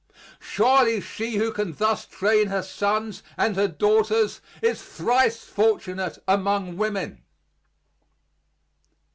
Surely she who can thus train her sons and her daughters is thrice fortunate among women.